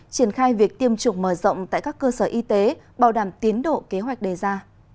triển khai việc tiêm chủng mở rộng tại các cơ sở y tế bảo đảm tiến độ kế hoạch đề ra